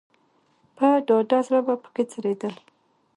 په ډاډه زړه به په کې څرېدل.